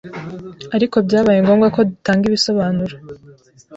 Ariko byabaye ngombwa ko dutanga ibisobanuro